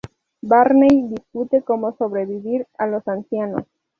Barney discute cómo sobrevivir a los ancianos.